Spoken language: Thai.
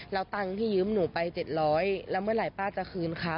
เราตั้งที่ยืมหนูไปเจ็ดร้อยแล้วเมื่อไหร่ป้าจะคืนค้า